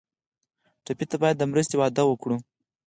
ټپي ته باید د مرستې وعده وکړو.